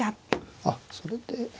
あっそれで。